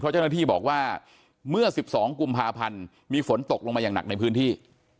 เจ้าหน้าที่บอกว่าเมื่อ๑๒กุมภาพันธ์มีฝนตกลงมาอย่างหนักในพื้นที่